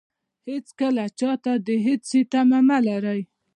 هېڅکله چاته د هېڅ شي تمه مه لرئ.